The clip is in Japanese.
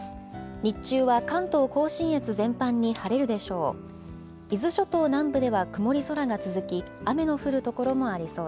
日中は関東甲信越全般に晴れるでしょう。